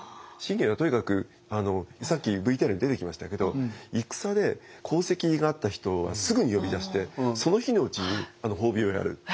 信玄はとにかくさっきＶＴＲに出てきましたけど戦で功績があった人はすぐに呼び出してその日のうちに褒美をやる。